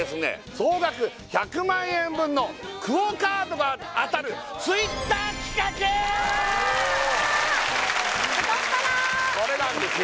総額１００万円分のＱＵＯカードが当たるＴｗｉｔｔｅｒ企画太っ腹これなんですね